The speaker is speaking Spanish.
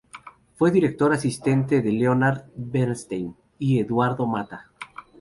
Fue director asistente de Leonard Bernstein y Eduardo Mata.